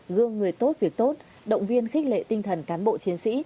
gương người tốt việc tốt động viên khích lệ tinh thần cán bộ chiến sĩ